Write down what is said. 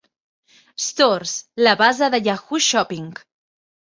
Stores, la base de Yahoo Shopping.